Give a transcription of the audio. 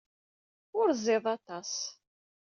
Ur ẓid aṭas.